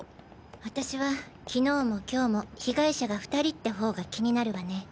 私は昨日も今日も被害者が２人って方が気になるわね。